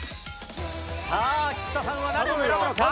さあ菊田さんは何を選ぶのか？